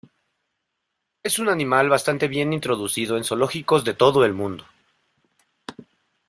Es un animal bastante bien introducido en zoológicos de todo el mundo.